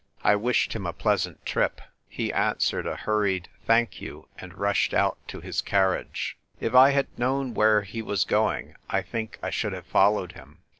I wished him a pleasant trip. He answered a hurried " Thank you," and rushed out to his carriage. If I had known where he was going I think I should have followed him.